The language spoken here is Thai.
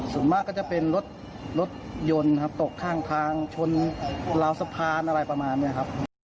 ส่วนมากก็จะเป็นรถรถยนต์ครับตกข้างทางชนราวสะพานอะไรประมาณนี้ครับ